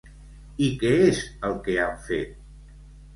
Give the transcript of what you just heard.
I què és el que han fet?